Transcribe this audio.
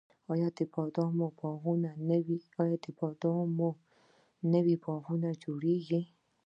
د بادامو نوي باغونه جوړیږي